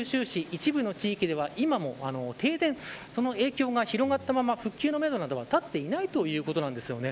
一部の地域では今も停電その影響が広がったまま復旧のめどなどは立っていないということです。